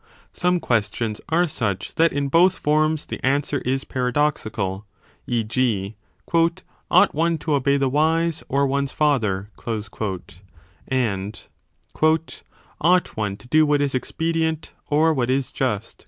Some questions are such that in both forms the answer is paradoxical ; e. g. Ought one to obey the wise or one s 20 father ? and Ought one to do what is expedient or what is just